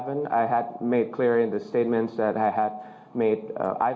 คุณความสังเจอว่าจะได้กลับมา